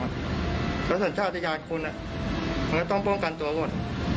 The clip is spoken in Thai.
แล้วสัญชาติยานคุณมันก็ต้องป้องกันตัวหมด